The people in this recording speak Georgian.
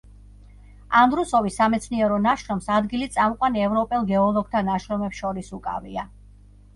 ანდრუსოვის სამეცნიერო ნაშრომს ადგილი წამყვან ევროპელ გეოლოგთა ნაშრომებს შორის უკავია.